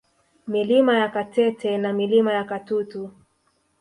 Milima ya Katete na Milima ya Katutu